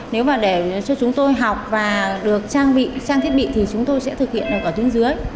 nếu mà để cho chúng tôi học và được trang thiết bị thì chúng tôi sẽ thực hiện ở trên dưới